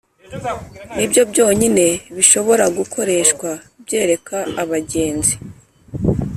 nibyo byonyine bishobora gukoreshwa byereka abagenzi .